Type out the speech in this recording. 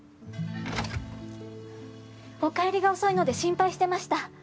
お帰りが遅いので心配してました。